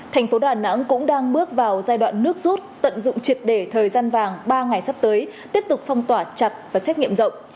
thành phố đà nẵng cũng đang bước vào giai đoạn nước rút tận dụng triệt để thời gian vàng ba ngày sắp tới tiếp tục phong tỏa chặt và xét nghiệm rộng